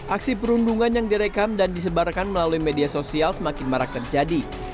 aksi perundungan yang direkam dan disebarkan melalui media sosial semakin marak terjadi